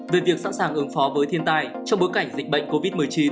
về việc sẵn sàng ứng phó với thiên tài trong bối cảnh dịch bệnh covid một mươi chín